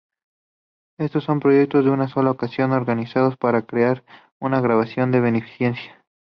Estos son proyectos de una sola ocasión, organizados para crear una grabación de beneficencia.